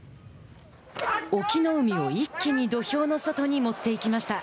隠岐の海を一気に土俵の外に持っていきました。